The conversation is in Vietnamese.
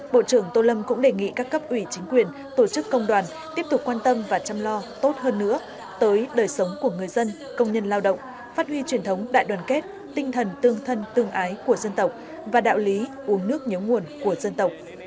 bộ trưởng tô lâm cũng đề nghị các cấp ủy chính quyền tổ chức công đoàn tiếp tục quan tâm và chăm lo tốt hơn nữa tới đời sống của người dân công nhân lao động phát huy truyền thống đại đoàn kết tinh thần tương thân tương ái của dân tộc và đạo lý uống nước nhớ nguồn của dân tộc